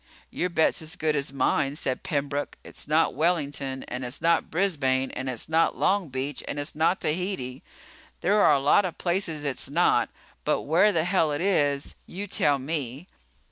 "Your bet's as good as mine," said Pembroke. "It's not Wellington, and it's not Brisbane, and it's not Long Beach, and it's not Tahiti. There are a lot of places it's not. But where the hell it is, you tell me.